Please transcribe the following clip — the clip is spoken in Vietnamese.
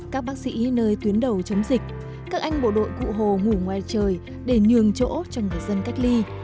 các bác sĩ nơi tuyến đầu chống dịch các anh bộ đội cụ hồ ngủ ngoài trời để nhường chỗ cho người dân cách ly